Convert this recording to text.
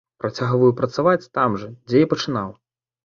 Працягваю працаваць там жа, дзе і пачынаў.